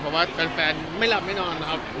เพราะว่าแฟนไม่หลับไม่นอนนะครับ